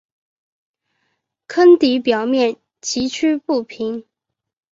坑底表面崎岖不平。